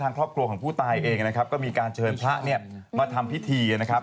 ครอบครัวของผู้ตายเองนะครับก็มีการเชิญพระเนี่ยมาทำพิธีนะครับ